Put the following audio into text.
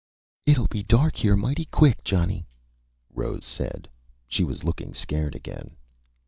"It'll be dark here mighty quick, Johnny," Rose said. She was looking scared, again.